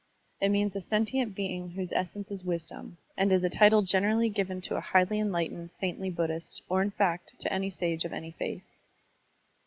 It means a sentient being whose essence is wisdom, and is a title generally given to a highly enlightened, saintly Buddhist, or, in fact, to any sage of any faith.